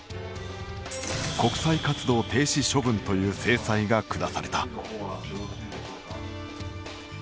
国際活動停止処分という制裁が下された。